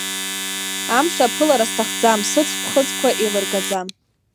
Амш аԥылара сҭахӡам, сыҵх-ԥхыӡқәа еилыргаӡам…